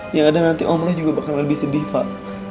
yang ada nanti om lo juga bakal lebih sedih fah